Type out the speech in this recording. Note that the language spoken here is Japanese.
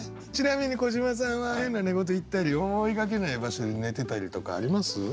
ちなみに小島さんは変な寝言言ったり思いがけない場所で寝てたりとかあります？